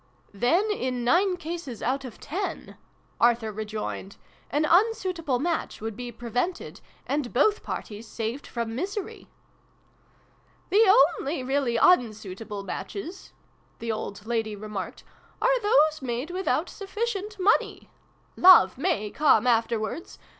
"" Then, in nine cases out of ten," Arthur rejoined, " an unsuitable match would be pre vented, and both parties saved from misery !" "The only really unsuitable matches," the old lady remarked, " are those made without sufficient Money. Love may come afterwards.